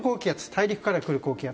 大陸からくる高気圧。